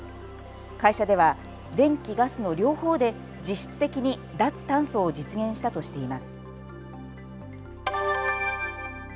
会社では電気、ガスの両方で実質的に脱炭素を実現したとしています。